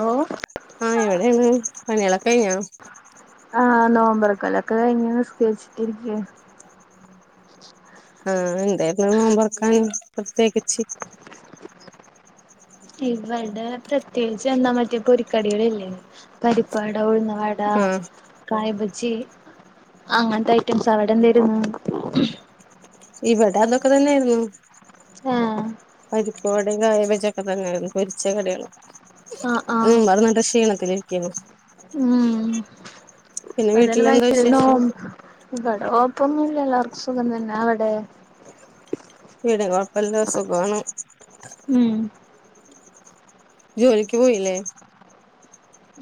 ഓ ആ എവിടെണ് പണികളക്കഴിഞ്ഞാ ആ നോമ്പർക്കലൊക്കെ കഴിഞ്ഞു നിസ്കര്ച്ചിട്ടിരിക്ക ആ എന്തായിരുന്നു നോമ്പർക്കാൻ പ്രത്യേകിച്ച് ഇവടെ പ്രത്യേകിച്ച് എന്താ മറ്റേ പൊരിക്കടികള് ഇല്ലേ പരിപ്പ് വട ഉഴുന്നവ ട ആഹ് കായ് ബജ്ജി അങ്ങൻത്തെ ഐറ്റംസ അവിടെന്തേര്ന്ന് ഇവടെ അതൊക്കെ തന്നായിരുന്നു ആ പരിപ്പ് വടിം കായ ബജി ക്കെ തന്നായിരുന്നു പൊരിച്ച കടികള് ആഹ് ആഹ് ഉം അത് നല്ല ക്ഷീണത്തിരിക്കേന്നു ഉം പിന്നെ അതന്നെ വീട്ടിലെന്താ വിശേഷം [unintelligible] ഇവടെ കോയപ്പൊന്നുല്ല എല്ലാർക്കും സുഖം തന്നെ അവടെ ഇവിടെ കൊഴപ്പല്ല സുഖാണ് ഉം ജോലിക്ക് പോയില്ലേ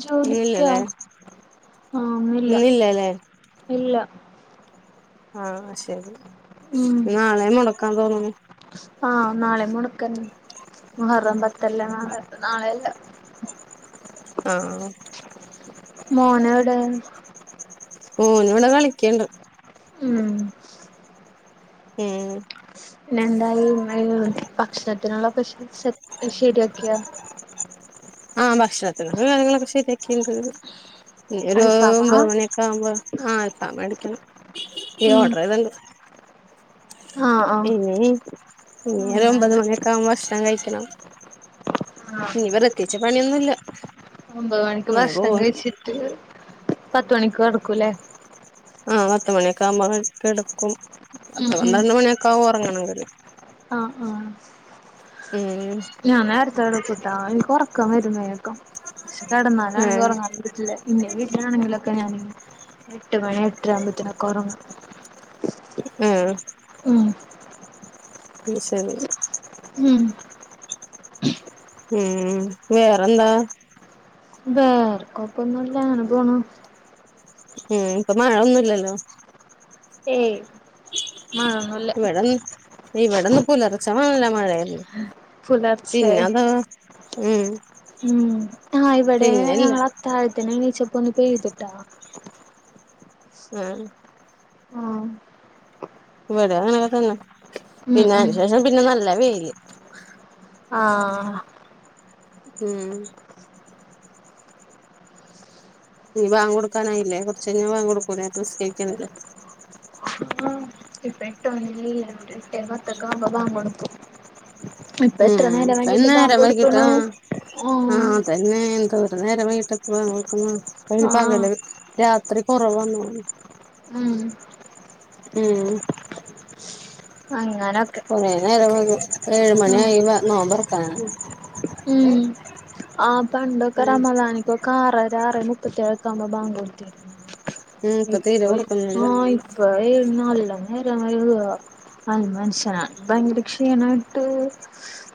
ജോലിക്കൊ ഇന്നില്ലല്ലേ ആ ഇന്ന് ഇല്ല ഇന്നില്ലല്ലേ ഇല്ല ആ ശരി നാളേം മൊടക്കാ തോന്നുന്നു ആ നാളേം മൊടക്കന്നെ മുഹറം പത്തല്ല നാളെ നാളയല്ല ആ മോനെവ്ടെ മോന് ഇവടെ കളിക്കീണ്ട് ഉം ഉം പിന്നെന്തായ് ഇമ്മ [unintelligible] ഭക്ഷണത്തിനുള്ള [unintelligible] ശെരിയാക്കിയോ ആ ഭക്ഷണത്തിന് ള്ള കാര്യങ്ങളൊക്കെ ശരിയാക്ക്ണ്ട് ഇനി ഒരു അൽഫാമാ ഒമ്പത് മണിയൊക്കെ ആവുമ്പോ ആ ആൽഫാമ് മെടിക്കണം ഈ ഉം ഓർഡർ ചെയ്തിണ്ട് ആഹ് ആഹ് ഇഞി ഇഞ്ഞര്ഒമ്പത് അങ്ങനെ മണിയക്കാവുമ്പം ഭക്ഷണം കഴിക്കണം ആ ഇനി പ്രത്യേകിച്ച് പണിയൊന്നുല്ല ഒമ്പത് മണിക്ക് ഇങ്ങനെ ഭക്ഷണം പോകും കഴിച്ചി ട്ട് പത്തുമണിക്ക് കടക്കൂ ലെ ആഹ് പത്ത് മണിയൊക്കെ ആവുമ്പോെ കിടക്കും ഉം പത്ത് ഉം പന്ത്രണ്ട് മണിയൊക്കെും ഉറങ്ങണമവെല് ആഹ് ആഹ് ഉം ഞാൻ നേരത്താണ് പുട്ടാ എനിക്ക് ഉറക്കം വരും വേഗം പക്ഷെ കെടന്നാലാ ആ ഉറങ്ങാനും പെറ്റില്ലാ എന്റെ വീട്ടിനാണെങ്കിലൊക്കെ ഞാൻ എട്ട് മണി എട്ടര ആുവുമ്പോത്തിനൊക്കെ ഉറങ്ങും ആഹ് ഉം അത്ശരി ഉം ഉം വേറെന്താ വേറെക്കൊപ്പൊന്നുംല്ലാ പോണു ഉം ഇപ്പൊ മഴൊന്നുല്ലല്ലോ ഏയ് മാ ഇവിടെന്ന് ഇവിടെന്ന് പുലർച്ചെ നല്ല മഴെണ് പുലർച്ചെ പിന്നെത് ഉം ഉം ആഹ് ഇവിടെ പിന്നെല്ല ഞങ്ങളെ ത്താഴത്തിന എണീച്ചപ്പ ഒന്ന് പെയ്തിട്ടാ ആഹ് ആഹ് ഇവിടെ അങ്ങനെക്കെ തന്നെ പിന്നെ ഉം അതിന്ശേഷം പിന്നെ നല്ല വെയില് ആഹ് ഉം ഇനീ ബാങ്കൊടുക്കാനായില്ലേ കുറച്ചു കൈഞാ ബാങ്കൊടക്കൂലെ അപ്പം നിസ്കരിക്കണില്ലെ ഉം ഇപെട്ടൊന്നിലി ഒരുട്ടെ പത്തൊക്കെക്കുംബം ബാങ്കൊടുക്കും ഉം ഇപ്പത്ര നേരം വൈകിട്ടാ തന്നെ നേരം ബാങ്കൊട്ക്കുണു ആഹ് പിന്നെന്തൂരം നേരം വൈകിട്ടാ ബാങ്കൊടുക്കുണു ആഹ് പകല് രാത്രി കൊറവൊന്നോ ഉം ഉം അങ്ങനെ കുറേ നേര വൈഗും ഏഴ് മണിയായി നോമ്പറക്കാനായി ഉം ആഹ് പണ്ടക്കെ ഉം റമളാനി ഇപ്പൊകാ ആറര ആറെമുപ്പത്തിഏഴക്കെ ആവുമ്പോ ബാങ്ക് കൊടുത്തിര ഉം ഇപ്പൊ തീരെ ഇപ്പ ഇപ്പോ കൊടുക്കുന്നില്ല [unintelligible] ആഹ് ഈ നല്ല നേരം വൈഗുക അഹ് മനുഷ്യന ഭയങ്കര ക്ഷീണായിട്ട്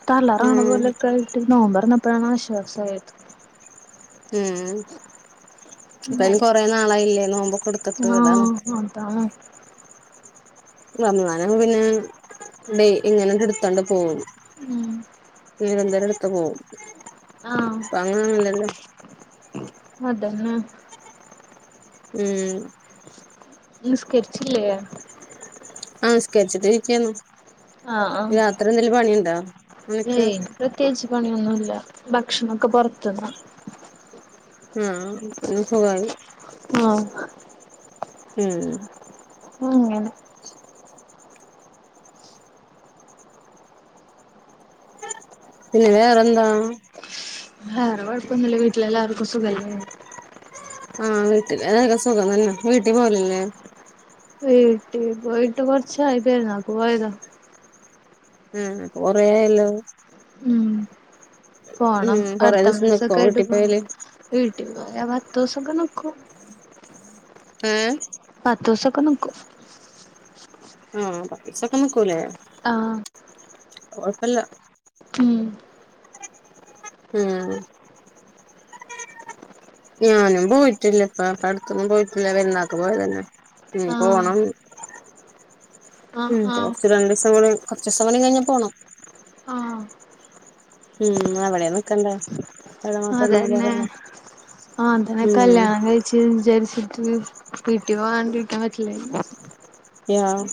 തലറങ്ങണത് ഉം പോലെക്കെ നോമ്പർന്നപ്പാണ് ആശ്വാസായത് ഉം അപ്പയ്ന് അങ്ങനെ കൊറേ നാളായില്ലേ നോമ്പൊക്കെടത്ത്ട്ട അതാണ് ആഹ് അതാണ് റമളാൻ ആണെങ്കിൽ ഡെയ്‌ലി ഇങ്ങനെ എടുത്തോണ്ട് പോവും ഉം ഇടക്ക് പോകും ആഹ് അങ്ങനെ ഒന്നുംഇല്ലല്ലോ അതെന്നെ ഉം നിസ്കരിച്ചില്ലേ ആഹ് നിസ്കരിച്ചട്ട് ഇരിക്കാന് ആഹ് ആഹ് [unintelligible] എന്തെങ്കിലും പണിയുണ്ടോ നിനക്ക് ഏയ് പ്രത്യേകിച്ച് പണി ഒന്നും ഇല്ല ഭക്ഷണം ഒക്കെ പുറത്ത് നിന്നാ ഉം [unintelligible] സുകായി ആഹ് ഉം അങ്ങനെ പിന്നെ വേറെന്താ വേറെ കുഴപ്പൊന്നില്ല വീട്ടിലെ എല്ലാവർക്കും സുഖമല്ലേ ആഹ് വീട്ടിൽ അതൊക്കെ സുഖം തന്നെ വീട്ടിൽ പോവല്ലേ വീട്ടിൽ പോയിട്ട് കുറച്ച് ആയി പെരുന്നാക്ക് പോയത ഉം ഇപ്പൊ കൊറേയായല്ലോ ഉം പോണം ഉം കൊറേ അടുത്ത ദിവസം നിക്കോ മാസൊക്കെ ആയിട്ട് വീട്ടിൽ പോണം പോയാല് വീട്ടിൽ പോയാ പത്ത ദിവസൊക്കെ നിക്കും ഏഹ് പത്തുസം ഒക്കെ നിക്കും ആഹ് പത്തുസം ഒക്കെ നിക്കൂ ലെ ആഹ് കുഴപ്പം ഇല്ല ഉം ഉം ഞാനും പോയിട്ടില്ല ഇപ്പ ഇപ്പോ അടുത്തൊന്നും പോയിട്ടില്ല പെരുന്നാൾക്ക് പോയതന്നെ ഉം ആഹ് പോണം ഉം ആഹ് കുറച്ച് ആഹ് രണ്ട് ദിവസം കുറച്ചു ദിവസം കൂടെ കഴിഞ്ഞൽ പോകണം ആഹ് ഉം അവിടെ നിക്കണ്ടേ ഇവിടെ മാത്രം നിന്നാ അതന്നെ പോരല്ലോ ഉം കല്യാണം കഴിഞ്ഞാൽ വിചാരിച്ചിട്ട് വീട്ടി പോവാണ്ടിരിക്കാൻ പറ്റില്ല ആഹ്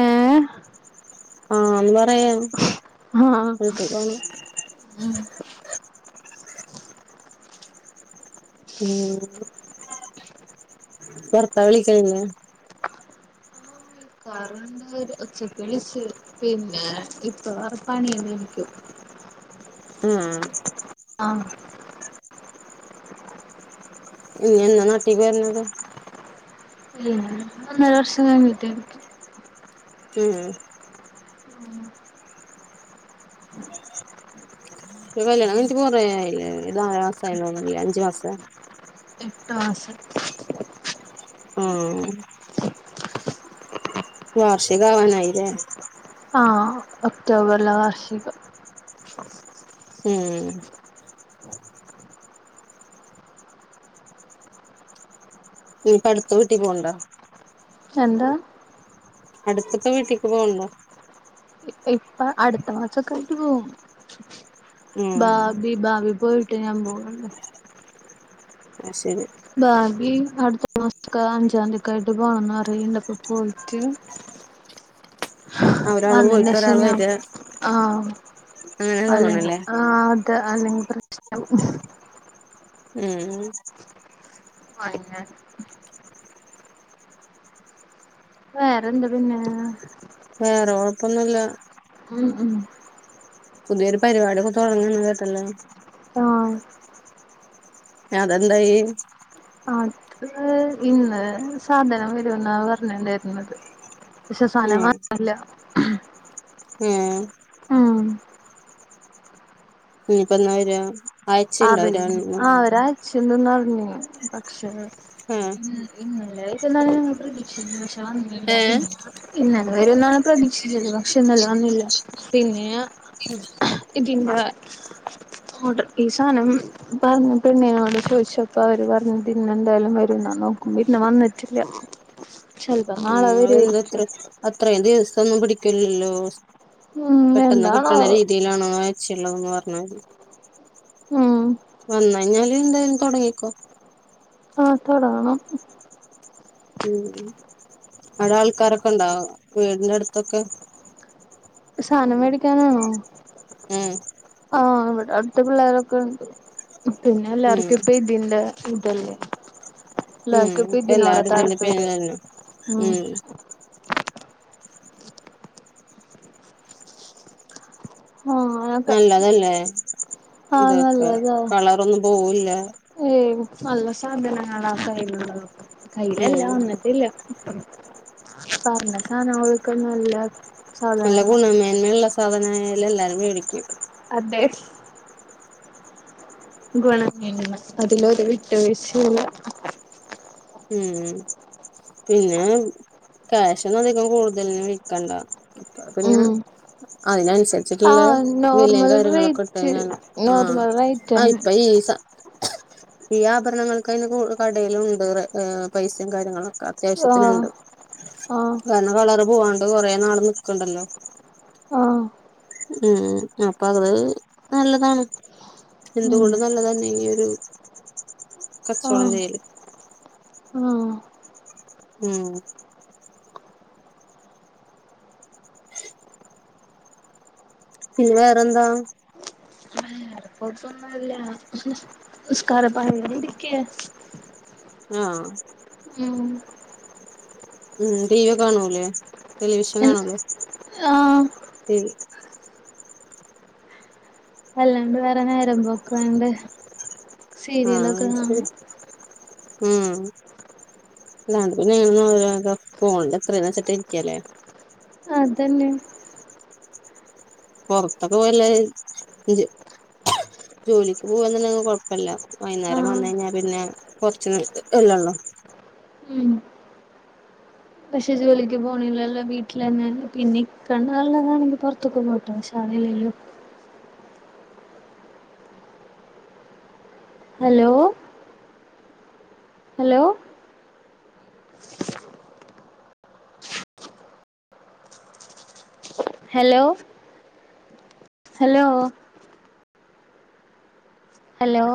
ഏഹ് ആഹ് എന്ന് പറയാ ആഹ് ഉം ഉം ഭർത്താവ് വിളിക്കൽ ഇല്ലേ കറന്റ് ഉച്ചക്ക് വിളിച്ച് പിന്നെ ഇപ്പൊ പണി ആയിരിക്കും ആഹ് ആഹ് ഇഞ്ഞി എന്നാ നാട്ടി വരണത് ഇല്ല ഒന്നര വർഷം കഴഞ്ഞിട്ട് ഉം ഇപ്പൊ കല്യാണം കഴിഞ്ഞിട്ട് കൊറേ ആയില്ലേ എത്ര നാല് മാസം ആയി എന്ന് തോന്നുന്നുലെ അഞ്ച് മാസ്മോ ആയില്ലേ എട്ട് മാസം ആഹ് വാർഷികം ആവാനായില്ലെ ആഹ് ഒക്ടോബറിലെ വാർഷികം. ഉം ഇനി ഇപ അടുത്ത വീട്ടി പോണ്ട? എന്താ? അടുത്തപ്പോ വീട്ടിക്ക് പോകണ്ടോ? ഇപ്പൊ അടുത്ത മാസൊക്കെ ആയിട്ട് പോവും ഉം ബാബി ഭാവി പോയിട്ട് ഞാൻ പോകള്ളൂ. അഹ് ശരി ഭാവി അടുത്ത മാസക്ക അഞ്ചാംതി ആയിട്ട് പോണംന്നറണ്ടപ്പോ പോയിട്ട് ആഹ് ഒരാള് വന്ന പോയിട്ട് ക്ഷ ഒരാള് ഞാൻ വരിക പോവും ആഹ് അങ്ങനെ അല്ല തോന്നണല്ലേ ആഹ് അല്ലെങ്കിൽ പ്രശ്ന ഉം [unintelligible] വേറെന്താ പിന്നെ? വേറെ കൊഴപ്പൊന്നുല്ല ഉം ഉം പുതിയൊരു പരിപാടിയൊക്കെ തുടങ്ങന്ന് കേട്ടല്ലോ? ആഹ് അതെന്തായി? അത് ഇന്ന് സാധനം വരുന്ന പറഞ്ഞണ്ടായിര്ന്നത്. ശേ സന മല്ല ഉം ആഹ് പന്നായിര അറിയി ആഹ് ഒരാ ചോറിഞ്ഞ പക്ഷെ ആഹ് ഇന്ന് ഒരായു ഷാന്നില്ല പി ഏഹ് ഇന്ന അത് വരന്നാണ് പ്രതീക്ഷിച്ചത് പക്ഷെന്നല്ല വന്നില്ല പിന്നെ ഞാ ഇതിന്റെ ഓഡ ഈ സാനം പറഞ്ഞഞ് പെണ്ണിയനോട് ചോദിച്ചപ്പോ അവര് പറഞ്ഞത് ഇന്നെന്തായാലും വരുംന്നാ നോക്കുമ്പോ ഇന്ന് വന്നിട്ടില്ല. ചെലപ്പം നാളെ വേ എന്തത്ര അത്രയും ദിവസംന്നും പിടിക്കലല്ലോ? ഉം പെട്ടെന്ന് കിട്ടണ എന്താണാവോ രീതിയിലാണോ വയച്ചുള്ളതന്ന് പറഞ്ഞാ മതി ഉം വന്നഞ്ഞാലും എന്തായാലും തുടങ്ങിക്കോ ആഹ് തുടങ്ങണം ഉം അടെ ആൾക്കാരൊക്കെണ്ടാവും വീടിന്റെ അടുത്തൊക്കെ? സഥാനം മേടിക്കാനാണോ? ഏഹ് ആഹ് ഇവിടെ അടുത്ത പിള്ളേരൊക്കെണ്ട് പിന്നെ ഉം എല്ലാർക്കും ഇപ്പ ഇതിന്റെ ഇതല്ല ഉം എല്ലാവർക്കുംപ്പതിനതിനോട എല്ലാരും ഇതിന്റെ പേരിൽ താല്പര്യം തന്നെ മ് ഉം ആഹ് അതൊക്കെ നല്ലതല്ലേ ആഹ് ഇതൊക്കെ കളറ ഒന്നും പോവില്ല ഏഹ് നല്ല സാധനങ്ങള ആഹ് കയ്യിലുള്ളതൊക്കെ ഉം കയ്യിലെല്ലാം വന്നി പറഞ്ഞ സാധനങ്ങക്കൊന്നും ല്ല നല്ല ഗുണമേന്മയുള്ള സാധനയാലേ എല്ലാരും മേടിക്ക അതെ ഗുണം അതിലൊരു വിട്ടുവീഴ്ചെല്ല ഉം പിന്നെ ക്യാഷന്ന അധികം കൂടുതലന് വിക്കണ്ട അ പിന്നെ ഉം അയ്ൻസ് കച്ചിട്ടുള്ള ആഹ് വിലയും നോർമൽ കാര്യങ്ങളൊക്കെ ഇട്ടു റേറ്റ് ഞൻ ആഹ് നോർമൽ റേറ്റ് ആഹ് തന്നെ ഇപ്പ ഈ ഈ ആഭരണങ്ങൾക്ക് അതിന് കടയിലും ഉണ്ട് പൈസയും കാര്യങ്ങളൊക്കെ ആഹ് അത്യാവശ്യത്തിനുണ്ട് ആഹ് കാരണം കളറ് പോവാണ്ട് കൊറെ നാള് നിക്കണ്ടല്ലോ ആഹ് ഉം അപ്പൊ അത് നല്ലതാണ് ഉം എന്തുകൊണ്ട് നല്ലത് ഈ ഒരു കച്ചവടം ചെയ്യല് ഒ ഉം പിന്നെ വേറെന്താ? കൊഴപ്പൊന്നുല്ല നിസ്കാരപായേല് ഇരിക്ക ആഹ് ഉം ഉം ടി വി കാണുവല്ലേ ടെലിവിഷൻ എൻ കാണൂല്ലേ ആഹ് അല്ലാണ്ട് വേറെ നേരമ്പക്കെണ്ട് ആഹ് സീരിയലൊക്കെ ശരി കാണും ഉം അല്ലാണ്ട് നിങ്ങളെ ഓരോ ഫോണിൽ എത്രന്നെച്ചിട്ട് ഇരിക്കല്ലേ അതന്നെ പുറത്തൊക്കെ പോയല്ല ഒരു ജോലിക്ക് പോവാെന്നുണ്ടെങ്കി കൊഴപ്പല്ല വൈകുന്നേരം വന്ന ആഹ് കഴിഞ്ഞാൽ പിന്നെ കുറച്ച് എല്ലാ ഉള്ളോ ഉം പക്ഷെ ജോലിക്ക് പോണില്ലല്ലോ വീട്ടിലന്നെ പിന്നെ ഇക്ക ഉണ്ടേക്കാണെങ്കിൽ പുറത്തൊക്കെ പോട്ടെ വ അതല്ലല്ലോ hello hello hello hello hello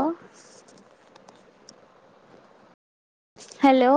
hello